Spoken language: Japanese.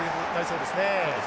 そうですね。